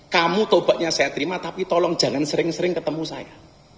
kamu tobatnya saya terima tapi tolong jangan sering sering ketemu saya